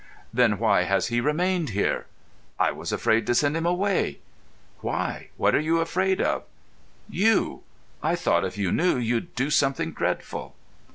"Then why has he remained here?" "I was afraid to send him away." "Why? What were you afraid of?" "You. I thought if you knew you'd do something dreadful."